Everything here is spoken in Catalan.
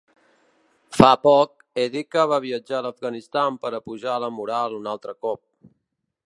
Fa poc, Ericka va viatjar a l'Afganistan per apujar la moral un altre cop.